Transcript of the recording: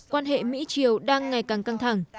quan hệ mỹ triều đang ngày càng căng thẳng